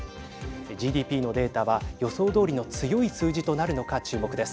ＧＤＰのデータは予想どおりの強い数字となるのか注目です。